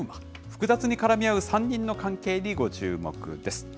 複雑に絡み合う３人の関係にご注目です。